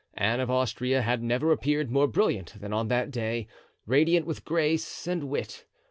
Anne of Austria had never appeared more brilliant than on that day—radiant with grace and wit.